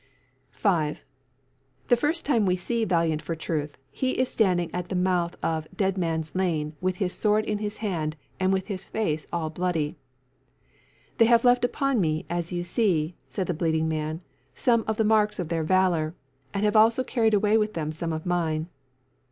5. The first time we see Valiant for truth he is standing at the mouth of Dead man's lane with his sword in his hand and with his face all bloody. "They have left upon me, as you see," said the bleeding man, "some of the marks of their valour, and have also carried away with them some of mine."